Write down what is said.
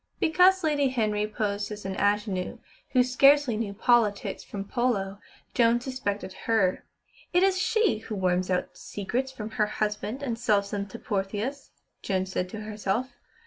Because Lady Henry posed as an ingénue, who scarcely knew politics from polo, Joan suspected her. "It is she who worms out secrets from her husband and sells them to Portheous," Joan said to herself.